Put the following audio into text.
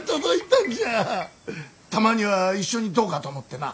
たまには一緒にどうかと思ってな。